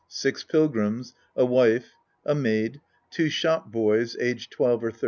Six Pilgrims. A Wife, A Maid. Two Shop boys, Aged 12 or 13.